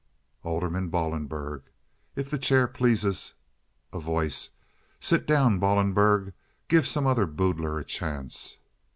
Alderman Ballenberg. "If the chair pleases—" A Voice. "Sit down, Ballenberg. Give some other boodler a chance."